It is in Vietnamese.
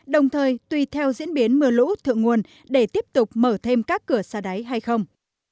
đồng thời tùy theo diễn biến mưa lũ thượng nguồn để tiếp tục mở thêm các cửa xa đáy hay không